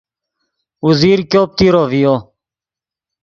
اوزیر ګوپ تیرو ڤیو